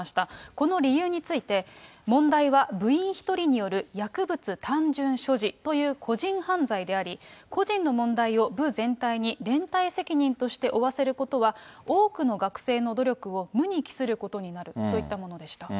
この理由について、問題は部員１人による薬物単純所持という個人犯罪であり、個人の問題を部全体に連帯責任として負わせることは、多くの学生の努力を無に帰することになるといったものでした。